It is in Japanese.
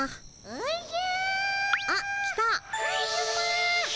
おじゃ。